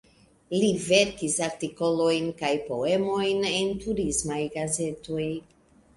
Li verkis artikolojn kaj poemojn en turismaj gazetoj.